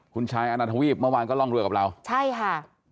คุณชายอาณาทวีปเมื่อวานก็ร่องเรือกับเราใช่ค่ะ